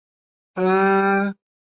有人怀疑草庵居士的真实身份。